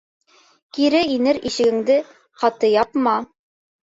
Кире инер ишегеңде ҡаты япма.